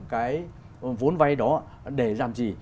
cái vốn vay đó để làm gì